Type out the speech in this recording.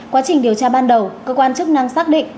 quá trình điều tra ban đầu cơ quan chức năng xác định